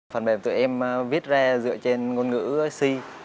phần mềm tụi em viết ra dựa trên ngôn ngữ c